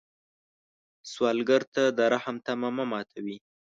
سوالګر ته د رحم تمه مه ماتوي